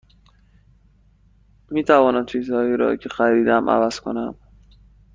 می توانم چیزهایی را که خریدم عوض کنم؟